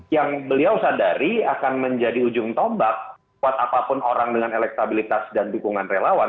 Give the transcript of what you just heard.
yang beliau sadari akan menjadi ujung tombak buat apapun orang dengan elektabilitas dan dukungan relawan